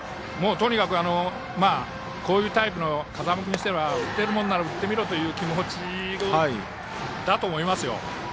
とにかくこういうタイプの風間君としては打てるもんなら打ってみろという気持ちだと思いますよ。